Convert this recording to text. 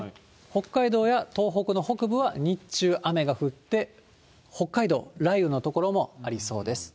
北海道や東北の北部は日中、雨が降って、北海道、雷雨の所もありそうです。